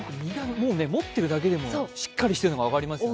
持ってるだけでもしっかりしてるのが分かりますね。